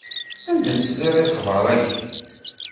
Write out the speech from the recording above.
Anda tesliḍ i lexber-ayi?